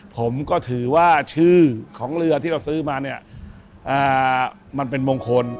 ผมก็ถือว่าชื่อของเรือที่เราซื้อมาเนี่ยมันเป็นมงคล